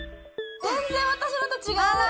全然私のと違う。